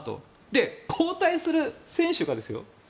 で、交代する選手がですよ